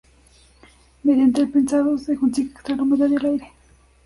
Mediante el prensado se consigue extraer la humedad y el aire.